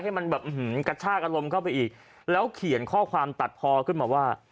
ให้มันแบบกระชากอารมณ์เข้าไปอีกแล้วเขียนข้อความตัดพอขึ้นมาว่า